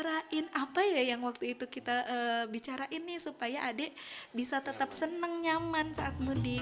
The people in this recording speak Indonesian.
kita udah bicarain apa ya yang waktu itu kita bicarain nih supaya adik bisa tetap senang nyaman saat mudik